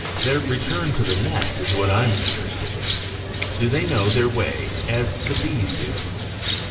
Their return to the nest is what I am interested in. Do they know their way as the Bees do?